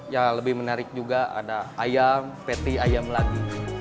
ya lebih menarik juga ada ayam patty ayam lagi